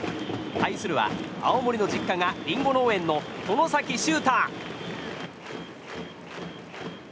対するは青森の実家がリンゴ農園の外崎修汰。